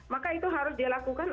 maka itu harus dilakukan